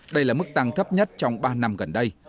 đây là mức tăng thấp nhất trong ba năm gần đây